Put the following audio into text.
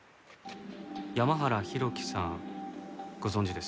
山原浩喜さんご存じですか？